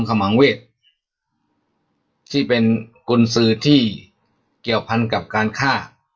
ขมังเวทย์อีกที่เป็นกลุ่มซื้อที่เกี่ยวพันกับการฆ่า